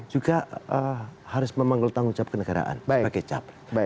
juga harus memanggil tanggung jawab ke negaraan sebagai jawab